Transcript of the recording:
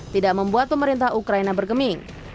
tidak membuat pemerintah ukraina bergeming